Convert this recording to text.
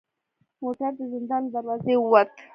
موټر د زندان له دروازې و وت.